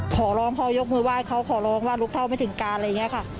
ขอร้องเขายกมือไหว้เขาขอร้องว่ารู้เท่าไม่ถึงการอะไรอย่างนี้ค่ะ